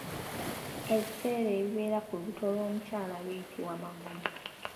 Ebiseera ebibeera ku lubuto lw’omukyala biyitibwa Magomo.